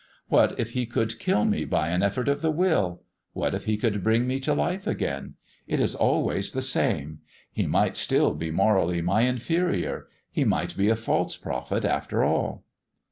What if he could kill me by an effort of the will? What if he could bring me to life again? It is always the same; he might still be morally my inferior; he might be a false prophet after all."